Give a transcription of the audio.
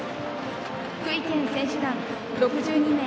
福井県選手団、６２名。